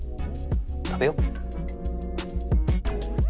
食べよう。